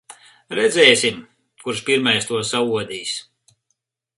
Redzēsim, kurš pirmais to saodīs.